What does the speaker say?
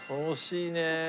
惜しいね。